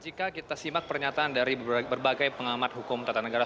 jika kita simak pernyataan dari berbagai pengamat hukum tata negara